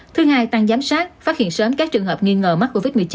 thứ hai tăng giám sát phát hiện sớm các trường hợp nghi ngờ mắc covid một mươi chín